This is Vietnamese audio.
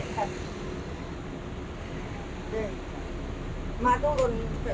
lịch phật không dám nói ra